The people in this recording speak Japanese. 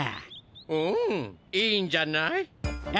うんいいんじゃない？え！